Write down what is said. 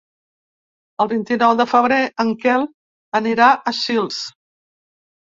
El vint-i-nou de febrer en Quel anirà a Sils.